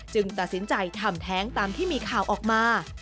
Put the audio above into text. ตัดสินใจทำแท้งตามที่มีข่าวออกมา